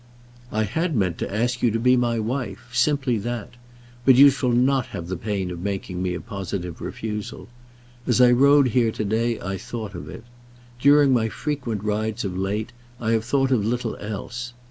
"I had meant to ask you to be my wife; simply that. But you shall not have the pain of making me a positive refusal. As I rode here to day I thought of it. During my frequent rides of late I have thought of little else.